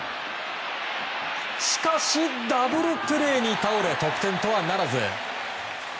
しかしダブルプレーに倒れ得点とはならず。